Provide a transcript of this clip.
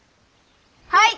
はい！